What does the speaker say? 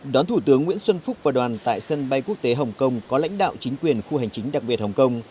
đón thủ tướng nguyễn xuân phúc và đoàn tại sân bay quốc tế hồng kông có lãnh đạo chính quyền khu hành chính đặc biệt hồng kông